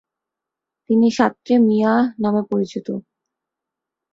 তিনি সাতরে মিয়া নামেও পরিচিত।